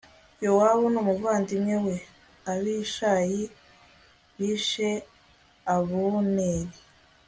Yowabu n umuvandimwe we Abishayi l bishe Abuneri